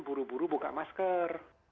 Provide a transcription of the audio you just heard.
buru buru buka masker